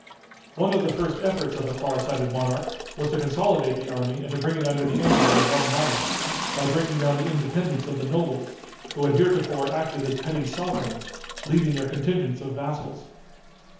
One of the first efforts of the far sighted monarch was to consolidate the army and to bring it under the energy of one mind, by breaking down the independence of the nobles, who had heretofore acted as petty sovereigns, leading their contingents of vassals.